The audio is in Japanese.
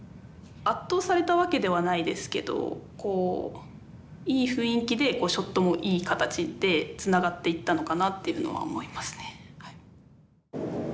圧倒されたわけではないですけどこういい雰囲気でショットもいい形でつながっていったのかなっていうのは思いますね。